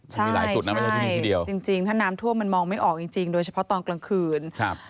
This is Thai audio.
ใช่ใช่จริงถ้าน้ำท่วมมันมองไม่ออกจริงโดยเฉพาะตอนกลางคืน